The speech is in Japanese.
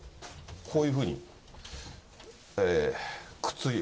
こういうふうに、靴入れ。